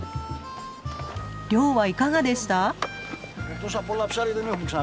漁はいかがでした？